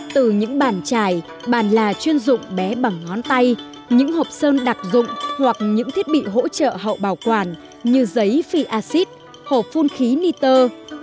từ những bàn chải bàn là chuyên dụng bé bằng ngón tay những hộp sơn đặc dụng hoặc những thiết bị hỗ trợ hậu bảo quản như giấy phi axit hộp phun khí niter